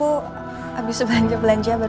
kamu dapet paket ya dadsan